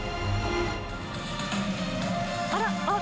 ・あら！あっ！